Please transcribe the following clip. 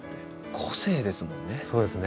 個性ですもんね。